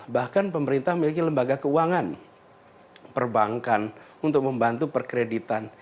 bahkan pemerintah memiliki lembaga keuangan perbankan untuk membantu perkreditan